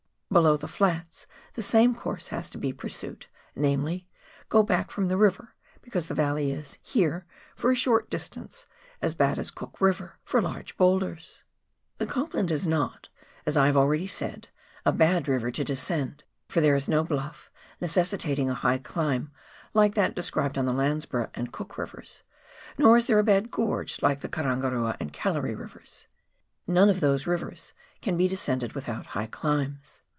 Below the flats the same course has to be pursued, namely, go back from the river, because the valley is, here — for a short distance — as bad as Cook River for large boulders. The Copland is not, as I have already said, a bad river to descend, for there is no blufE necessitating a high climb, like that described on the Landsborough and Cook Rivers, nor is there a bad gorge like the Karangarua and Callery Rivers. None of those rivers can be descended without high climbs.